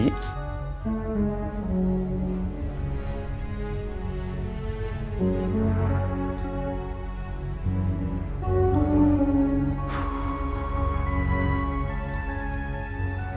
dia mau nelpon satu jam lagi